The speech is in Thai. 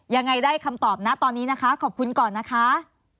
ยังไงได้คำตอบนะตอนนี้นะคะขอบคุณก่อนนะคะ